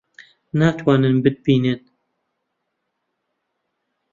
ناتوانن بتبینن.